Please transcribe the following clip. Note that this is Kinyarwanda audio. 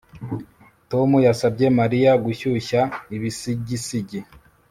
Tom yasabye Mariya gushyushya ibisigisigi